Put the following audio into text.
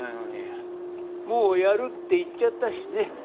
もうやるって言っちゃったしね。